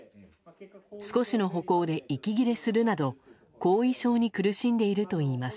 少しの歩行で息切れするなど後遺症に苦しんでいるといいます。